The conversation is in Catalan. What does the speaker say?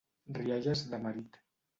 Rialles de marit.